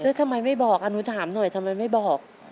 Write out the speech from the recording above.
แล้วทำไมไม่บอกหนูถามหน่อยทำไมไม่บอก